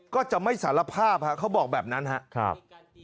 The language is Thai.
ก็จะไม่สารภาพครับเขาบอกแบบนั้นครับ